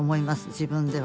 自分では。